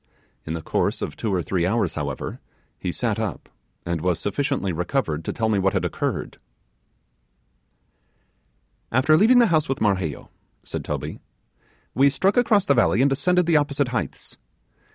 In the course of two or three hours, however, he sat up, and was sufficiently recovered to tell me what had occurred. 'After leaving the house with Marheyo,' said Toby, 'we struck across the valley, and ascended the opposite heights.